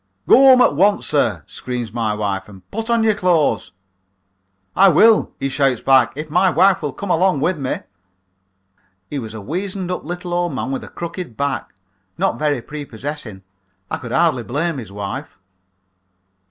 "'Go home at once, sir,' screams my wife, 'and put on your clothes.' "'I will,' he shouts back, 'if my wife will come along with me.' "He was a weazened up little old man with a crooked back. Not very prepossessing. I could hardly blame his wife.